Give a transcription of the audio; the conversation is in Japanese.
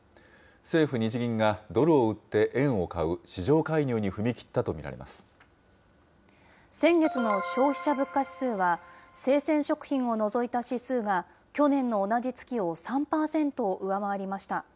政府・日銀がドルを売って円を買う市場介入に踏み切ったと見られ先月の消費者物価指数は、生鮮食品を除いた指数が、去年の同じ月を３％上回りました。